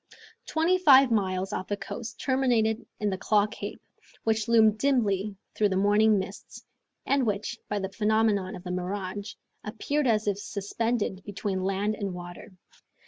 Twenty five miles off the coast terminated in the Claw Cape, which loomed dimly through the morning mists, and which, by the phenomenon of the mirage, appeared as if suspended between land and water.